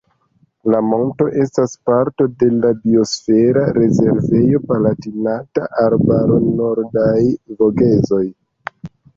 La monto estas parto de la biosfera rezervejo Palatinata Arbaro-Nordaj Vogezoj.